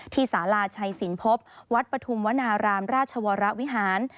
สาราชัยสินพบวัดปฐุมวนารามราชวรวิหาร